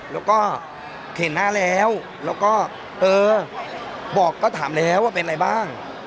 แล้วก็เห็นหน้าแล้วแล้วก็เออบอกก็ถามแล้วว่าเป็นอะไรบ้าง